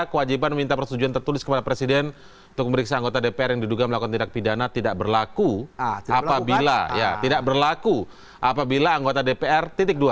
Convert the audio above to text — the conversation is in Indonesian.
tiga kewajiban meminta persetujuan tertulis kepada presiden untuk memeriksa anggota dpr yang diduga melakukan tindak pidana tidak berlaku apabila anggota dpr